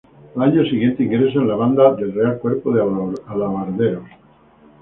Al año siguiente ingresa en la Banda del Real Cuerpo de Alabarderos.